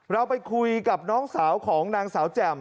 เราไปคุยกับน้องสาวของนางสาวแจ่ม